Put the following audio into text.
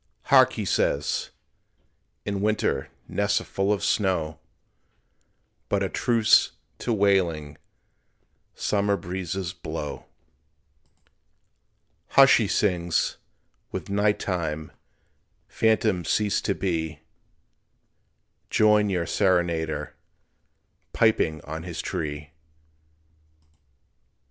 "Hark!" he says, "in winter Nests are full of snow, But a truce to wailing Summer breezes blow." "Hush!" he sings, "with night time Phantoms cease to be, Join your serenader Piping on his tree."